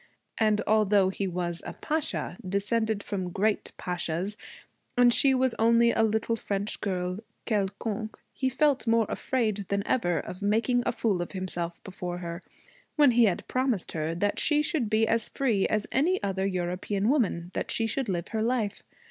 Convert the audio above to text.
And although he was a pasha, descended from great pashas, and she was only a little French girl quelconque, he felt more afraid than ever of making a fool of himself before her when he had promised her that she should be as free as any other European woman, that she should live her life.